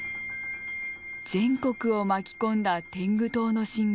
全国を巻き込んだ天狗党の進軍。